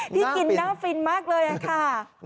ที่กินน่าฟินมากเลยค่ะ